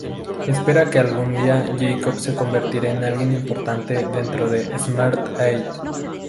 Espera que algún día Jacob se convierta en alguien importante dentro de Smart Aid.